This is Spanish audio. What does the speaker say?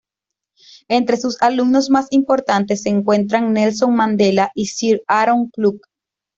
Entre sus alumnos más importantes se encuentran Nelson Mandela y Sir Aaron Klug.